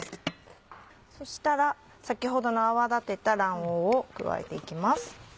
そしたら先ほどの泡立てた卵黄を加えて行きます。